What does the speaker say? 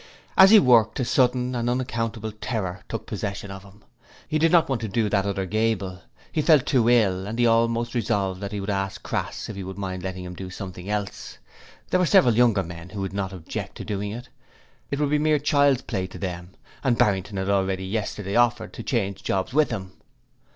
As he worked a sudden and unaccountable terror took possession of him. He did not want to do that other gable; he felt too ill; and he almost resolved that he would ask Crass if he would mind letting him do something else. There were several younger men who would not object to doing it it would be mere child's play to them, and Barrington had already yesterday offered to change jobs with him.